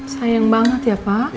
sayang banget ya pak